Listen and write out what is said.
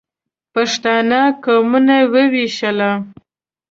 پښتانه قومونه ووېشله.